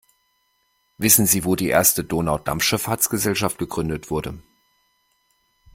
Wissen Sie, wo die erste Donaudampfschiffahrtsgesellschaft gegründet wurde?